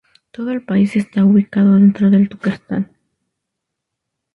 Todo el país está ubicado dentro del Turquestán.